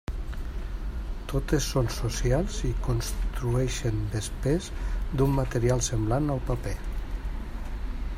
Totes són socials i construeixen vespers d'un material semblant al paper.